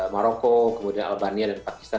maroko kemudian albania dan pakistan